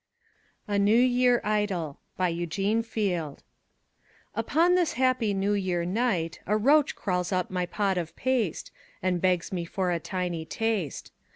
A NEW YEAR IDYL BY EUGENE FIELD Upon this happy New Year night, A roach crawls up my pot of paste, And begs me for a tiny taste.